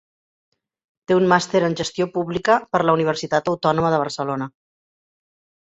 Té un màster en gestió pública per la Universitat Autònoma de Barcelona.